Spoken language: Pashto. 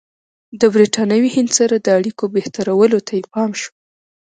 د برټانوي هند سره د اړیکو بهترولو ته یې پام شو.